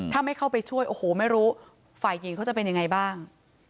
ถ้าไม่เข้าไปช่วยโอ้โหไม่รู้ฝ่ายหญิงเขาจะเป็นยังไงบ้าง